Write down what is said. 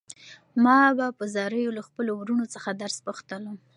ما به په زاریو له خپلو وروڼو څخه درس پوښتلو.